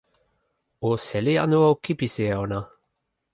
o seli anu o kipisi e ona?